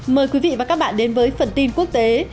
mời quý vị và các bạn đến với phần tin quốc tế